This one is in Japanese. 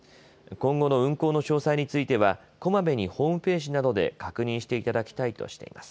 今後の運行の詳細についてはこまめにホームページなどで確認していただきたいとしています。